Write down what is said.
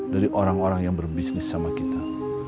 dari orang orang yang berbisnis sama kita